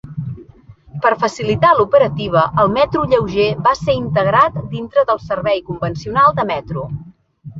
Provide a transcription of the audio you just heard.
Per facilitar l'operativa, el Metro lleuger va ser integrat dintre del servei convencional de Metro.